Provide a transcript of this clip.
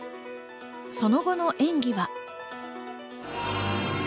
その後の演技は。